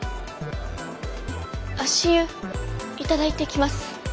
足湯頂いてきます。